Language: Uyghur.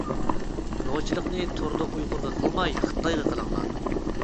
نوچىلىقىنى توردا ئۇيغۇرغا قىلماي، خىتايغا قىلىڭلار !